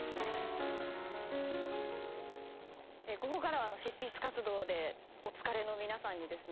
ここからは執筆活動でお疲れの皆さんにですね。